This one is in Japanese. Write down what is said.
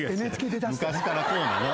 昔からそうなの。